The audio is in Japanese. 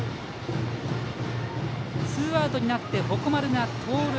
ツーアウトになって鉾丸が盗塁。